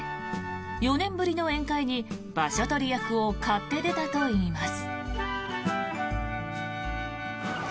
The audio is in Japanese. ４年ぶりの宴会に場所取り役を買って出たといいます。